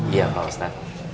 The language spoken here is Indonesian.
iya pak ustadz